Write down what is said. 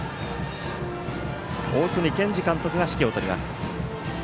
大角健二監督が指揮を執ります。